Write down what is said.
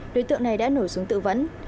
đối tượng này đã nổ xuống tự vẫn